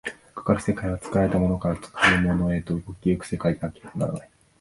かかる世界は作られたものから作るものへと動き行く世界でなければならない。